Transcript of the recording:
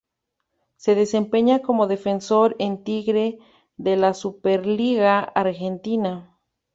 Se desempeña como defensor en Tigre de la Superliga Argentina.